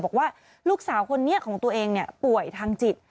บอกว่าลูกสาวคนนี้ของตัวเองป่วยทางจิต